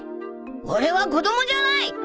俺は子供じゃない！